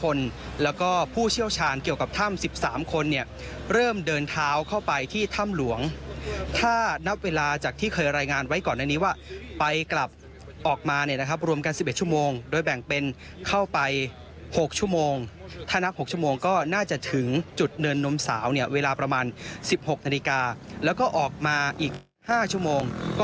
คนแล้วก็ผู้เชี่ยวชาญเกี่ยวกับถ้ำ๑๓คนเนี่ยเริ่มเดินเท้าเข้าไปที่ถ้ำหลวงถ้านับเวลาจากที่เคยรายงานไว้ก่อนอันนี้ว่าไปกลับออกมาเนี่ยนะครับรวมกัน๑๑ชั่วโมงโดยแบ่งเป็นเข้าไป๖ชั่วโมงถ้านับ๖ชั่วโมงก็น่าจะถึงจุดเนินนมสาวเนี่ยเวลาประมาณ๑๖นาฬิกาแล้วก็ออกมาอีก๕ชั่วโมงก็